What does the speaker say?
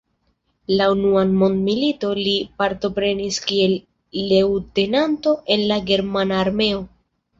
La Unuan Mondmiliton li partoprenis kiel leŭtenanto en la germana armeo.